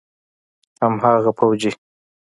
هماغه فوجي.